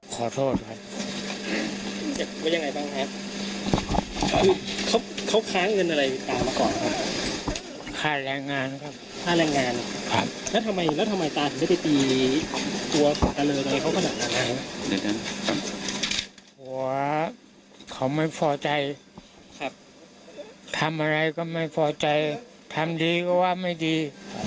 ก็เลยน้อยใจก็เลยลงไปเลย